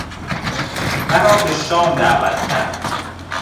مرا به شام دعوت کرد.